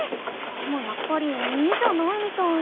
でもやっぱり耳じゃないみたい。